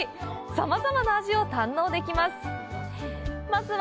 さまざまな味を堪能できます。